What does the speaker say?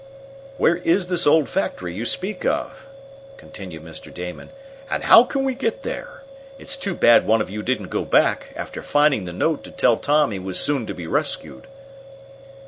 "Where is this old factory you speak of," continued Mr. Damon, "and how can we get there? It's too bad one of you didn't go back, after finding the note, to tell Tom he was soon to be rescued."